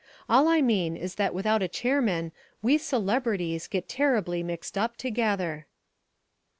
All I mean is that without a chairman "we celebrities" get terribly mixed up together.